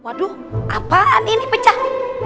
waduh apaan ini pecah